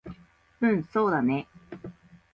うんそうだね